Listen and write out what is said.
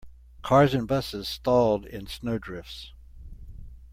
Cars and busses stalled in snow drifts.